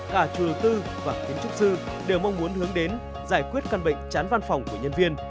cả chủ đầu tư và kiến trúc sư đều mong muốn hướng đến giải quyết căn bệnh chán văn phòng của nhân viên